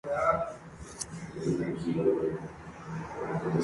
Son un ingrediente común en la mezcla de partes de fabricación casera y comercial.